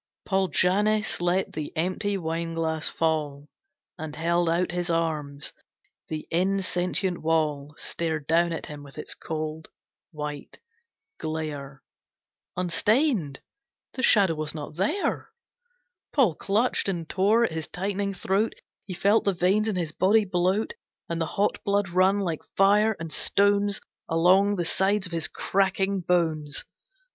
Paul Jannes let the empty wine glass fall, And held out his arms. The insentient wall Stared down at him with its cold, white glare Unstained! The Shadow was not there! Paul clutched and tore at his tightening throat. He felt the veins in his body bloat, And the hot blood run like fire and stones Along the sides of his cracking bones.